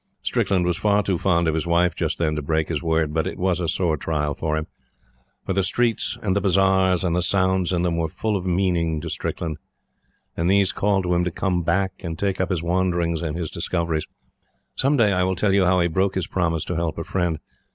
Strickland was far too fond of his wife, just then, to break his word, but it was a sore trial to him; for the streets and the bazars, and the sounds in them, were full of meaning to Strickland, and these called to him to come back and take up his wanderings and his discoveries. Some day, I will tell you how he broke his promise to help a friend.